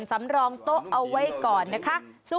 ซ้ำรองโต๊ะเอาไว้ก่อนนะคะ๐๖๓๐๘๐๙๓๑๕